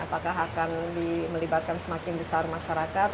apakah akan melibatkan semakin besar masyarakat